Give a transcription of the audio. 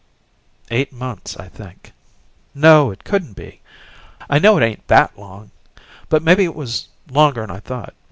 "Eight months, I think." "No, it couldn't be. I know it ain't THAT long, but maybe it was longer'n I thought.